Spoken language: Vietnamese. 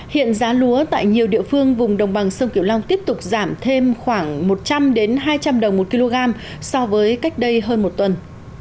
hiện giá lúa tại nhiều địa phương vùng đồng bằng sông kiểu long tiếp tục giảm thêm khoảng một trăm linh hai trăm linh đồng một kg so với cách đây hơn một tuần